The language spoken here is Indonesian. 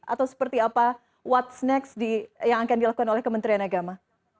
atau seperti apa what's next yang akan dilakukan oleh kementerian agama